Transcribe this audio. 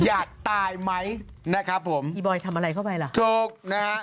อยากตายไหมนะครับผมอีบอยทำอะไรเข้าไปล่ะจบนะฮะ